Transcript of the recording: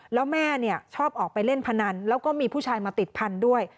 แล้วแม่ชอบออกไปเล่นพนันแล้วก็มีผู้ชายมาติดพันธุ์ด้วย